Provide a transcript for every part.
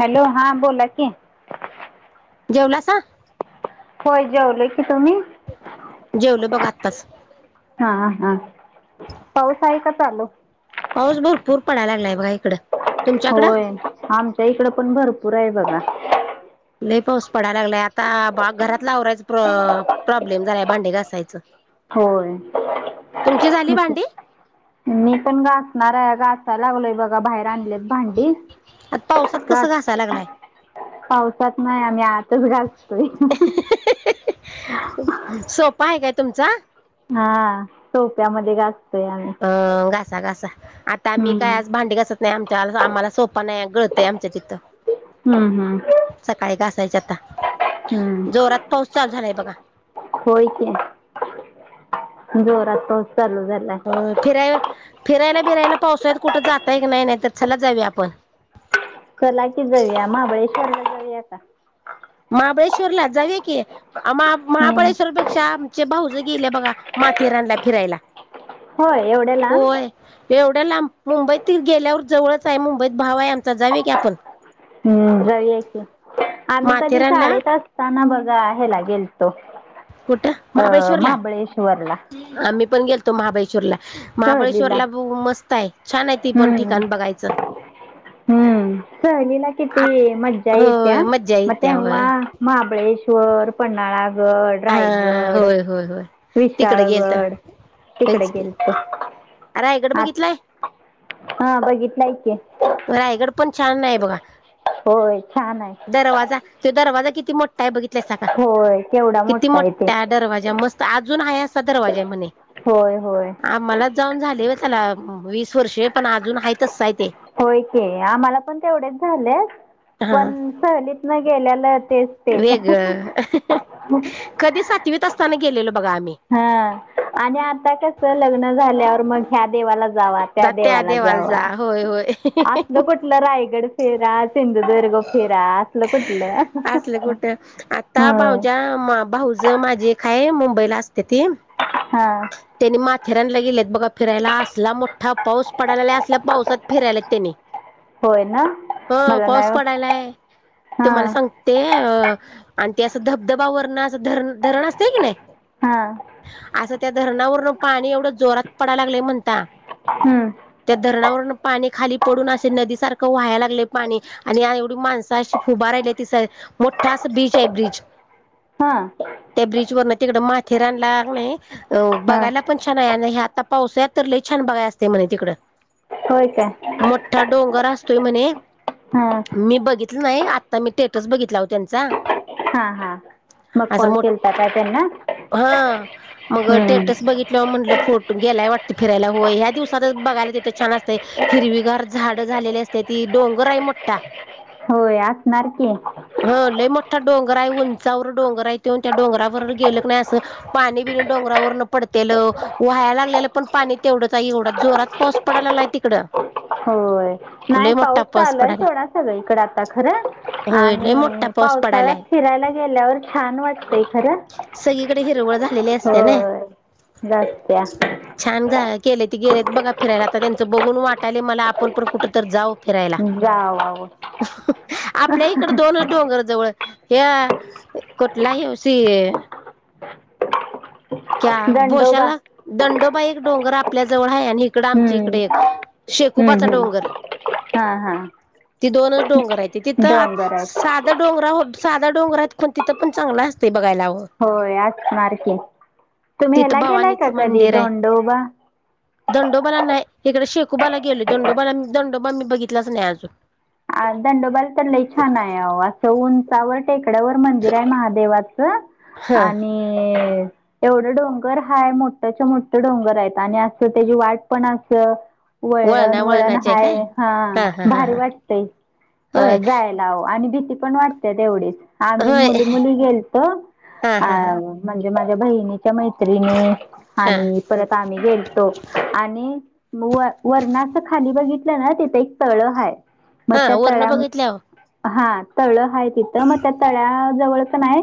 Hello. हां बोला की. जेवलासा? होय जेवलं की. तुम्ही? जेवलं बघ आत्ताच पाऊस आहे का चालू? पाऊस भरपूर पडायला लागलाय बघा इकडं तुमच्याकडं होय. आमच्या इकड पण भरपूर- पुर आहे बघा. लई पाऊस पडाय लागलाय आता. घरात आवरायच प्र- प्रॉब्लेम झालाय भांडे घासायचं. होय तुमची झाली भांडी मी पण गासणार आहे ग आत सा लागलोय बघा बाहेर आणलेत भांडी आता पावसात कसं घासायला लागलाय पावसात नाही आम्ही आतच गासतोय. सोपा आहे काय तुमचा? हा सोप्यामध्ये गास अं घासा घासा आता आम्ही काय हम्म आज भांडी घासत नाही आमच्या आम्हाला सोप पण गळतंय आमच्या तिथं हम्म हम्म सच्याता हम्म. होय की. जोरात पाऊस चालू झालाय. अं फिराय फिरायला बिरायला पावसाळ्यात कुठं जाताय की नाही? नाही तर चला जाऊया आपण. चला की जाऊया. महाबळेश्वरला जाऊया का? टूरला जाऊ या की महा हम्म महाबळेश्वरपेक्षा- चे भाऊजय गेलिए बघा माथेरानला फिरायला. होय. एवढ्या लांब? होय एवढ्या लांब मुंबईत गेल्यावर जवळच आहे. मुंबईत भाव आहे आमचा जाऊ की आपण. हम्म जाउया की. आम्ही कधी माथेरानला शाळेत असताना बघ- हेला गेलतो कुठं अ -महाबळेश्वरला. मी पण गेलोतो महाबळेश्वरला. सहलीला महाबळेश्वरला ब मस्त आहे छान आहे ती पण हम्म ठिकाण बघायचं हम्म सहलीला आ किती मज्जा येत्या होय मज्जा मग येत्या तेव्हा होय महाबळेश वर पन्हाळा गड हा रायगड होय होय होय तिकडे गेलत विशाळगड तिकडे तेच की गेल रायगड बघितलाय हा बघितलाय की रायगड पण छान आहे बघा होय छान आहे दरवाजा त दरवाजा किती मोठ ठा हाय बघितलायसा का? होय केवढा किती ते मोठा आहे दरवाजा मस्त अजून आहे असा दरवाज हाय म्हणे होय होय आम्हालाच जाऊन झाले बघ त्याला वीस वर्षे पण अजून आहे तस आहे ते होय की आम्हाला पण तेवढेच झाले हा पण सहलीत न गेल्याला तेच ते वेग कधी सातवीत असता गेले हा आणि आता कस लग्न झाल्यावर मग ह्या देवाला त्या जा देवाला जावा जा होय होय असलं कुठलं रायगड फेरा सिंधुदग र्ग फेरा असल कुठलं असलं कुठं हम्म जे क हाय मुंबईला असतेत हां त्यानी माथेरानला गेल्यात बघा फिरायला असला मोठा पाऊस पडायला असला पावसात फिरायला त्यानी होय ना मला नाही पडायलाय तुम्हाला हां सांगते आणि ते असं धबधबा वरणं असं धरण धरण असते की नाही हा असं त्या धरणावरून पाणी एवढं जोरात पडा लागलंय म्हणता हं धरणावरून पाणी खाली पडून असे नदीसारखं वाहाय लागलय पाणी आणि एवढी माणसं अशी फुभार राहिली तिस मोठा अस बीच आहे ब्रिज हा त्या ब्रिज वर तिकड माथेरानला क नई हां बघायला पण छान आहे आणि आता पावस तर छान काय असते म्हणे तिकड होय काय? डोंगर असतोय म्हणे हां मी बघितलं नाही आता मी स्टेटस बघितला ओ त्यांचा हा हा मग असं कॉल मोठा केलता काय त्यांना? हा मग हं टेटस बघितलं म्हटलं फोटो ग्यालाय वाटत. फिरायला होय ह्या दिवसातच बघायला तिथे छान असत हिरवीगार झाडं झालेली असते ती डोंगर आहे मोठी कत्ठता [inaudible] होय असणार की. लय मोठा डोंगर आहे उंचावर डोंगर आहे ते त्या डोंगरावर गेलं नाही असं पाणी बिनी डोंगरावरन पडते. व्हायला लागलेलं पण पाणी तेवढंच आहे एवढं जोरात पाऊस पडयला लागलाय तिकड. होय नाही पाऊस चालुय आहे पडायलाय थोडा सगळ इकड आता खरं. होय लय मोठा आणि पाऊस पावसाळ्यात पडायलाय फिरायला गेल्यावर छान वाटतय खरं हिरवळ झाली असते नई होय जास्त्या छान झ केले ते गेलेत बघा फिरायला आता त्यांचं बघून वाटाय मला आपण पण कुठं तर जाऊ. फिरायला जावा मग आपल्या इकडे दोनच डोंगर जाऊ ह कुठला ह्यो सी क्या दंडोबा भोशाला दंडोबा एक डोंगर आपल्या जवळ हय आणि इकडं आमच्या इकडे एक हम्म हम्म शेकोबाचा हम्म डोंगर हां हां ती दोनच डोंगर आहे त तिथं डोंगर आहेत साधा डोंगरा हो साधा डोंगर आहेत पण तिथं पण चांगला असते. बघायला हवं होय आच मारखे तुम्ही तिथं ह्याला गेलाय का भवानीचं कधी मंदिर आहे दोंडोबा? दंडोबाला नाही इकडे शेकोबाला गेले दंडोबाला दंडोबा मी बघितलाच नाही अजून. दंडोबाल तर लई छान आहे असं उंचावर टेकड्यावर मंदिर आहे महादेवाच. ह हा आणि एवढं डोंगर हाय मोठ्याच्या मोठे डोंगर आहेत आणि असं त्याची वाट पण असं वळण वळणा वळण वळणाचे आहे हाय काय हा हा हा भार हा वाट होय जायलाव आणि भीती पण वाटते तेवढीच. आम्ही होय मुली मुली गेलतो हा अ हा हा म्हणजे माझ्या बहिणी च्या मैत्रिणी हा आणि परत आम्ही गेलतो आणि व वरण अस खाली बघितलं ना तिथं एक तळं आहे. हा वरण बघितल्यावर. हा तळ आहे तिथं मग त्या तळ्या जवळ का नाय.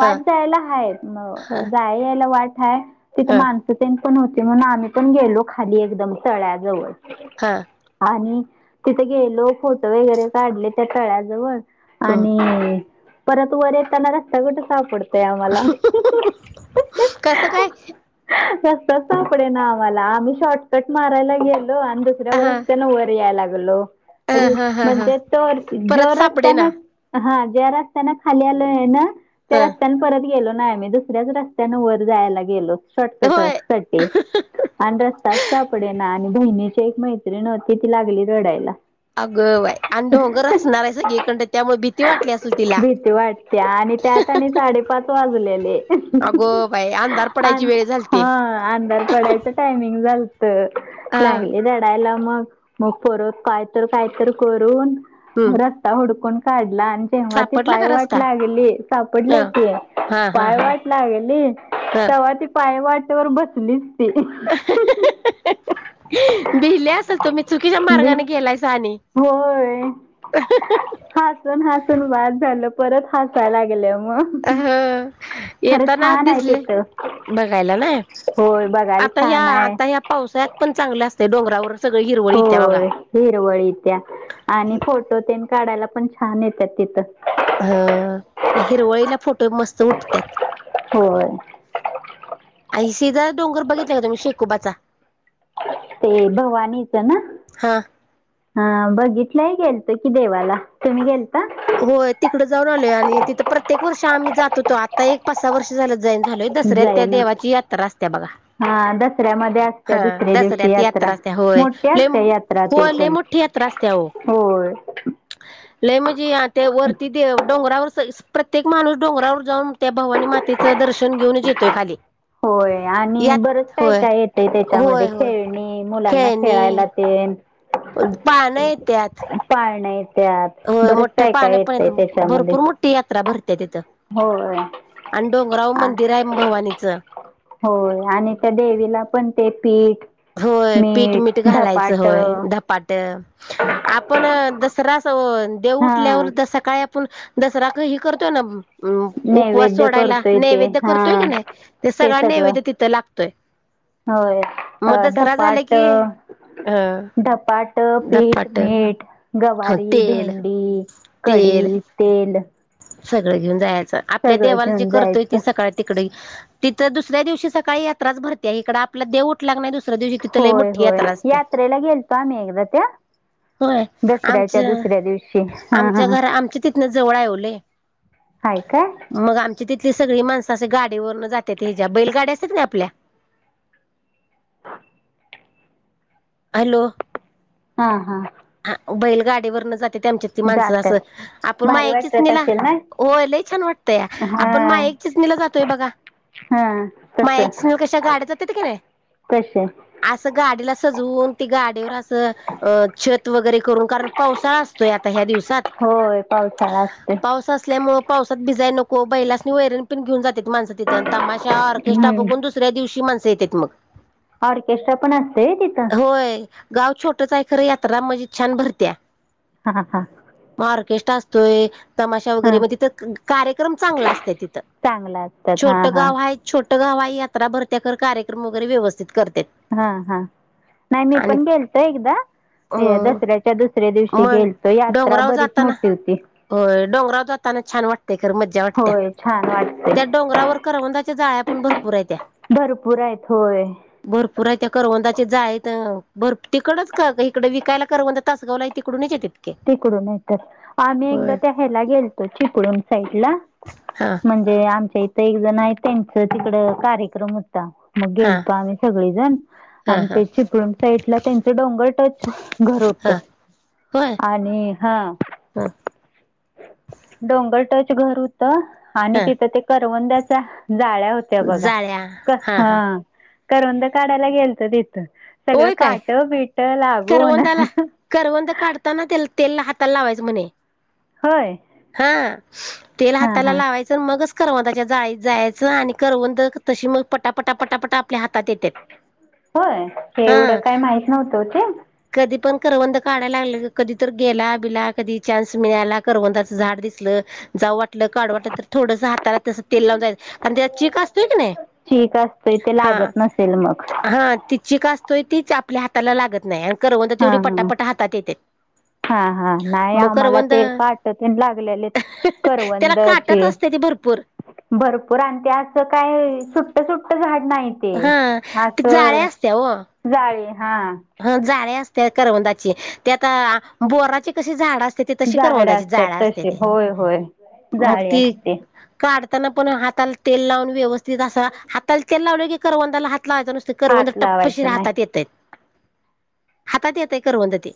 हा जायला हाय म हा जाय यायला वाट हाय तिथं हा माणसं त्या पण होते म्हण आम्ही पण गेलो खाली एकदम तळ्याजवळ हा आणि तिथे गेलो फोटो वगैरे काढले त्या तळ्याजवळ हं आणि परत वर येताना रस्ता कुठ सापडतो. ते आम्हाला. कसं काय रस्ता सापडे ना आम्हाला आम्ही शॉर्टकट मारयला गेलो आणि दुसऱ्या हा रस्त्यान वर यायला लागलो. ह हा हा हा म्हणजे परत जो सापडे रस्त्यान ना ह. ज्या रस्त्याना खाली आले आहे ना त्या ह रस्त्याने परत गेलो. नाही मी दुसऱ्याच रस्त्यान वर जायला गेलो. शार्टकट होय असताते अन रस्ता सापडेना. बहिणीची एक मैत्रीण होती ती लागली रडायला. अगं बाय अन डोगर असणार आहे सगळीकडन त्यामुळे भीती वाटली असेल तिला. त्या आणि त्यात आणि साडेपाच वाजलेले अगो बाई अंधार पडायची वेळ झालती हा अंधार पडायच टायमिंग झाल तर हा लागली रडायला मग मग परत काय तर कायत करून हम्म रस्ता हुडकून काढ लहान जेव्हा ती सापडला पाय का वाट रस्ता लागेली ह सापडली की हा हा पाय हा वाट लागेली. ह तेव्हा ती पाय वाट्यावर बसली भिले असल तुम्ही चुकीच्या मार्गाने गेलायसा. आणि हो होय हासून हासून बास झालं. परत हसायलां लागले. अह येताना छान आहे दिसले तिथं बघायला नाय. होय बघायला आता ह्या छान आहे आता ह्या पावसाळ्यात पण चांगल्या असतय डोंगर होय हिरवळी त्या आणि फोटो तेन काढायला पण छान येतात तिथं ह नाय हिरवळीला फोट ट मस्त उठत्यात होय आय शीदत डोंगर बघितलाय का तुम्ही शेकोबाचा. ते भगवानीच ना. हा हा बघितलंय गेलतो कि देवाला तुम्ही गेलता? होय तिकडं जाऊन आलो आणि तिथं प्रत्येक वर्ष आम्ही जात होतो आता एक पाच, सहा वर्ष झालं जाईन झालोय दसऱ्यात त्या जाईना देवाची यात्रा असत्या बघा. हा दसऱ्यामध्ये असत्या हा दुसऱ्या दिवशी दसऱ्यात यात्रा त्या होय मोठी असते यात्रा ती होय लय पण मोठी यात्र रास्त्या हो. होय. लय म्हजी ते वरती देव डोंगरावर प्रत्येक माणूस डोंगरावर जाऊन त्या भवानी मातेचं दर्शन घेऊनच येतोय खाली. होय आणि बरंच यात काय होय काय येते त्याच्यामध्ये होय होय खेळणी मुलांना खेळायला ते पण पाणं य त्यात. पाळण्या येत्यात होय बरंच मोठ काय काय पाण्यापर्यंत येतंय त्याच्यामध्ये भरपूर मोठी यात्रा भर त्या तिथं होय आणि डोंगराव आ मंदिर हाय भवानीचं. होय आणि त्या देवीला पण ते पीठ होय पीठ मीठ घालायचं होय धपाट आपण दसरा असं हो देवं हा उठल्यावर सकाळी आपण दसरा हे करतोय ना उपवास नैवेद्य सोडायला करतोय ते नैवेद्य हा करतोय क नाय ते सगळ नैवेद्य तिथं लाग [inaudible] होय. अ धपाट की अ धपाट पीठ धपाट मीठ गवारी, तेल भेंडी, तेल कढी, तेल सगळं घेऊन जायाचं आपल्या सगळं देवाला जे घेऊन करतोय जायचं ते सकाळी तिकडे तिथं दुसऱ्या दिवशी सकाळी यात्राच भरतीया इकड आपला देव उठला क नाय दु दुसरा दिवशी तिथं लय होय मोट्ठी होय यात्रा असते. यात्रेला गेलतो आम्ही एकदा त्या होय. दसऱ्याच्या आमच्या दुसऱ्या दिवशी हा आमच्या हा घर आमच्या तिथन जवळ हाय ओ लय. हाय काय? ती सगळी माणसं असे गाडीवरन जातात ह्याच्या बैलगाडी असात ना आपल्या हॅलो हा हा हा बैलगाडीवरनं जात्यात आमच्या हितली माणसं असं जातात आपण भारी मायाकं वाटत जिसनीला असेल ना होय लय छान वाटतंया हा आपण माएक चिचणीला जातोय बघा. हा तस मायाच्या इथनं कशा गाड्या जात्यात की नाय. तसे असं गाडीला सजवून ते गाडीवर असं अ छत वगैरे करून कारण पावसाळा असतोय आता ह्या दिवसं सात होय पावसाळा असते पाऊस असल्यामुळं पावसात भिजाय नक हो बैलासनी वैरण पण घेऊन जात्यात माणसं तिथं तमाश ऑर्केस्ट्रा हम्म बघून दुसऱ्या दिवशी माण ते येतेत मग ऑर्केस्ट्रा पण असतय व्हय तिथं. छोटच हाय खरं यात्रा म्हणजे छान भरत्या हा हा म ऑर्केस्ट्र असतोय. तमाशा वगैरे हा म तिथं कार्यक्रम चांगलं असत्यात तिथं चांगलं असतात हा छोटं हा गाव हाय छो ट गाव हाय यात्रा भरत्या खरं कार्यक्रम वगैरे व्यवस्थित कर हा हा नाय मी पण गेलते एकदा अ हे दसऱ्याच्या दुसऱ्या दिवशी मण गेलतो यात्रा डोंगरावर बरीच जाताना मोठी होती व्हय खरं मज्जा वाटत्या होय छान वाटते त्या डोंगरावर करवंदाच्या जाळ्या पण भरपूर आहेत्या भरपूर आहेत होय भरपूर आहेत्या करवंदा जाळीत भरप तिकडचं का गं इकडं विकायला करवंद तासगावला हे तिकडूनचं येत्यात तिकडून येत्यात आम्ही एकदा त्या ह्याला गेलतो चिपळूण साईड ला हा म्हणजे आमच्या इथं एक जण आहे त्यांच तिकड कार्यक्रम हु ता मग हा गेलतो आम्ही सगळीजण हा आणि हा ते चिपळूण साईडला त्यांच डोंगर टच घर हा होतं. होय. आणि हा ह डोंगर टच घर हो तं आणि हा तिथं ते करवंदाच्या जाळ्या होत्या बघा. कं हा करवंद काढायला गेलतं तिथं सगळं होय काय काटं बिटं करवंदाला करवंद काडताना केल तेलला हाताला लावायचं म्हणे, होय हा तेल हा हाताला हा लावायच आणि मगच करवंदाच्या जाळीत जायचं आणि करवंद तशी म पटापटा पटापटा आपल्या हातात येत्यात होय एवढं हां काय माहित नव्हतं ते कधी पण करवंद काढायला लागलां कधी तर गेला बिला कधी चान्स मिळाला करवंदाच झाड दिसलं. जाऊ वाटलं काढू वाटलं तर थोडसं हाताला तस तेल लावून जायचं तेचा चीक असतोय की नाही चीक असतोय ते हा लागत नसेल मग हा ती चिक असतोय तीच आपल्या हाताला लागत नाही करवंद हा तेवढी हा पटापटा हातात येत्यात हा हा नाही आम्हाला ते काटं तेन लागलेलीत त्याला काटत करवंदाचे असते ती भरपूर भरपूर आणि ते असं काय सुट्ट सुट्ट झाड नाही ते हा ती असं जाळी हा हं जाळी असत्या करवंदाची ती आता बोराची कशी झाडं अस त्याती तशी झाड करवंदाची असतात जाळ्या तसे असत्याती होय होय मग जाळी ती असते काड तानं पण हाताला तेल लावून व्यवस्थित असं हाताला तेल लावलं की करवंदाला हात लावायचं नुसतं करवंद हात टप्पशीरी लावायचं नाही हातात येतंय हातात येतंय करवंद ते